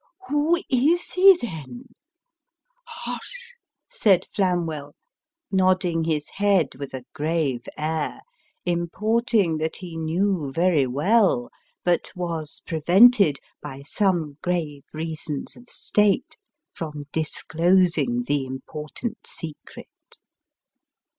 " Who is he then ?"" Hush !" said Flamwell, nodding his head with a grave air, importing that he knew very well ; but was prevented, by some grave reasons of state, from disclosing the important secret.